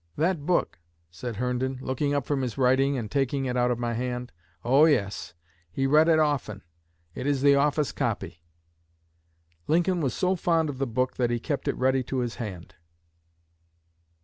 'That book!' said Herndon, looking up from his writing and taking it out of my hand. 'Oh, yes; he read it often. It is the office copy.'" Lincoln was so fond of the book that he kept it ready to his hand.